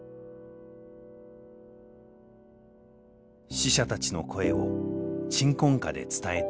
死者たちの声を「鎮魂歌」で伝えた民喜。